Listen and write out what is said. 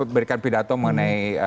berikan pidato mengenai